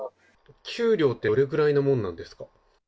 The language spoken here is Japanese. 給料ってどれぐらいのものなんですか。